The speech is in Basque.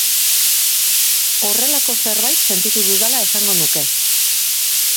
Horrelako zerbait sentitu dudala esango nuke.